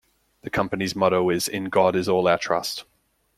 The Company's motto is "In God Is All Our Trust".